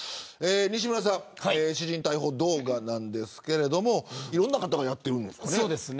西村さん私人逮捕動画なんですがいろんな方がやってるんですよね。